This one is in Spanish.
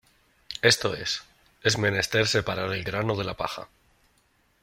Esto es, es menester separar el grano de la paja.